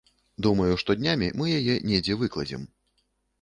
Думаю, што днямі мы яе недзе выкладзем.